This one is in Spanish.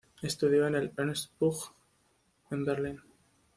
Estudió en el "Ernst Busch" en Berlín.